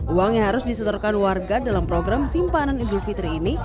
uang yang harus disetorkan warga dalam program simpanan idul fitri ini